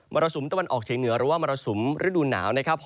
รสุมตะวันออกเฉียงเหนือหรือว่ามรสุมฤดูหนาวนะครับ